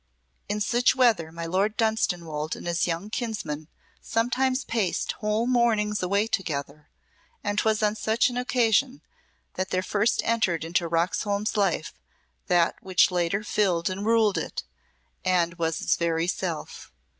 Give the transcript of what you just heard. In such weather my Lord Dunstanwolde and his young kinsman sometimes paced whole mornings away together, and 'twas on such an occasion that there first entered into Roxholm's life that which later filled and ruled it and was its very self.